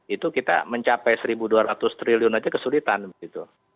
itu kita mencapai rp satu dua ratus triliun aja kesulitan gitu